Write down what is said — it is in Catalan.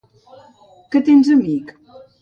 Què tens, amic?